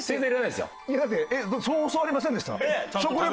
いやだってえっそう教わりませんでした？